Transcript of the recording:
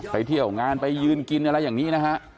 ไปเที่ยวงานไปยืนกินอะไรอย่างนี้นะฮะ